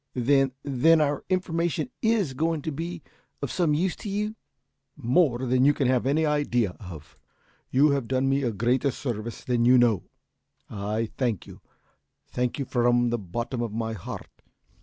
"Then then our information is going to be of some use to you?" "More than you can have any idea of. You have done me a greater service than you know. I thank you thank you from the bottom of my heart!